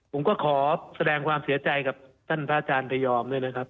ผมก็ขอแสดงความเสียใจกับท่านพระอาจารย์พยอมด้วยนะครับ